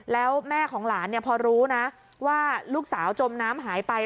แล้วแม่ของหลานพอรู้นะว่าลูกสาวจมน้ำหายไป